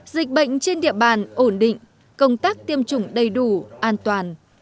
dịch bệnh trên địa bàn ổn định công tác tiêm chủng đầy đủ an toàn